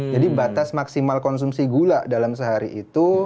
jadi batas maksimal konsumsi gula dalam sehari itu